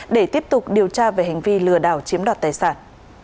để tiếp tục điều tra về hành vi lừa đảo chiếm đoạt tài sản